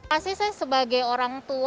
asisnya sebagai orang tua